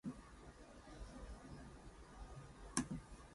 She was born to a family famed for its religious zeal.